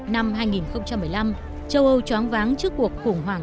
năm hai nghìn một mươi năm châu âu choáng váng trước cuộc khủng hoảng